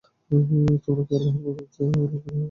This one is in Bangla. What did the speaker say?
তোমরা কি আল্লাহর পরিবর্তে অলীক ইলাহগুলোকে চাও?